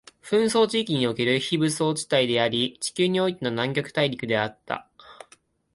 紛争地域における非武装地帯であり、地球においての南極大陸だった